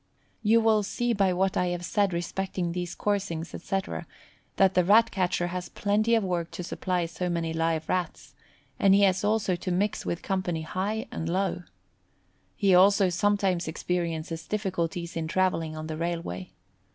You will see by what I have said respecting these coursings, etc., that the Rat catcher has plenty of work to supply so many live rats, and he has also to mix with company high and low. He also sometimes experiences difficulties in travelling on the railway.